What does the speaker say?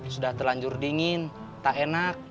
sudah terlanjur dingin tak enak